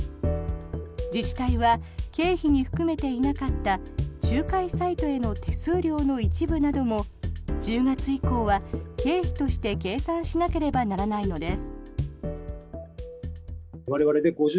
自治体は経費に含めていなかった仲介サイトへの手数料の一部なども１０月以降は経費として計算しなければならないのです。